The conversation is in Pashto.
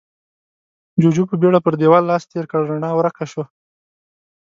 جُوجُو په بيړه پر دېوال لاس تېر کړ، رڼا ورکه شوه.